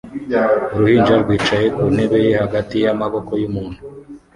Uruhinja rwicaye mu ntebe ye hagati y'amaboko y'umuntu